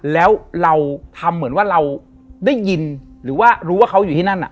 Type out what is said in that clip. แล้วเราทำเหมือนว่าเราได้ยินหรือว่ารู้ว่าเขาอยู่ที่นั่น